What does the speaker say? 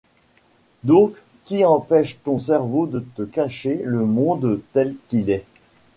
Donc qui empêche ton cerveau de te cacher le monde tel qu'il est.